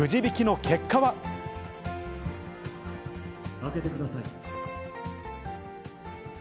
開けてください。